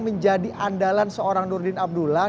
menjadi andalan seorang nurdin abdullah